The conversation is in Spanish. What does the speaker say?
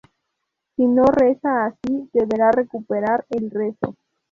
Si no reza así, deberá recuperar el Rezo.